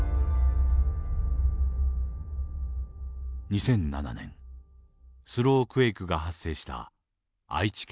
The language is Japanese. ２００７年スロークエイクが発生した愛知県。